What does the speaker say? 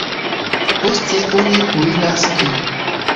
Poste oni kuiras ĝin.